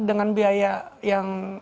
dengan biaya yang